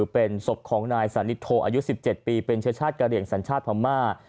เป็นศพของนายสานิทโทอายุ๑๗ปีเป็นเชื้อชาติกะเหลี่ยงสัญชาติพม่า